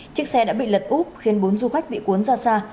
chiếc xe đã bị lật úp khiến bốn du khách bị cuốn ra xa